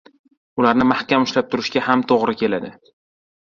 ularni mahkam ushlab turishga ham to‘g‘ri keladi.